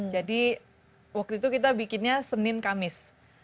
jadi waktu itu kita bikinnya senin kamis